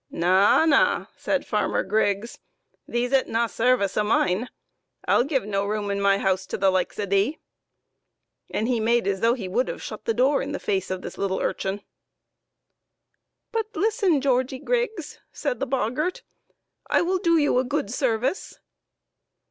" Na, na," said Farmer Griggs, " thee's at na sarvice o' mine. I'll give na room in my house to the likes o' thee;" and he made as though he would have shut the door in the face of the little urchin. " But listen, Georgie Griggs," said the boggart ;" I will do you a good service."